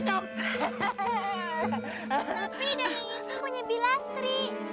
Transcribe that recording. tapi dandang itu punya bilastri